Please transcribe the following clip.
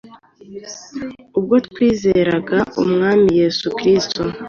ubwo twizeraga Umwami Yesu Kristo,